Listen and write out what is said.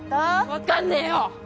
分かんねえよ！